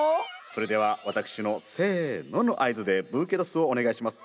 それでは私の「せの」の合図でブーケトスをお願いします。